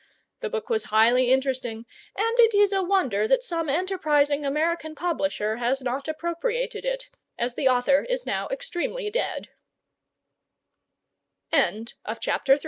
The book was highly interesting, and it is a wonder that some enterprising American publisher has not appropriated it, as the author is now extreme